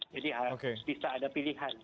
jadi bisa ada pilihan